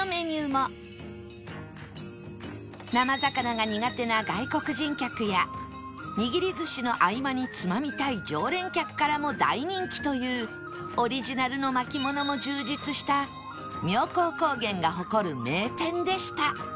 生魚が苦手な外国人客や握り寿司の合間につまみたい常連客からも大人気というオリジナルの巻物も充実した妙高高原が誇る名店でした